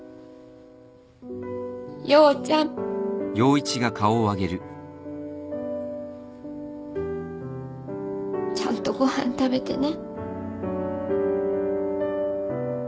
陽ちゃん。ちゃんとご飯食べてね。